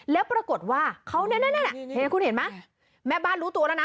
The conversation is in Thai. แล้วปรากฏว่าเห็นไหมแม่บ้านรู้ตัวแล้วนะ